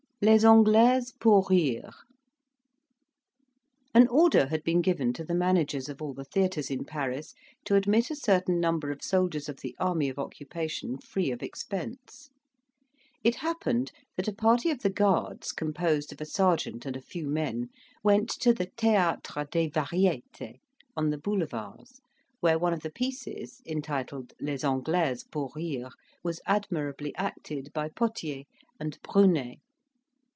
LES ANGLAISES POUR RIRE An order had been given to the managers of all the theatres in Paris to admit a certain number of soldiers of the army of occupation, free of expense. It happened that a party of the Guards, composed of a sergeant and a few men, went to the Theatre des Varietes on the Boulevards, where one of the pieces, entitled Les Anglaises pour Rire, was admirably acted by Potier and Brunet.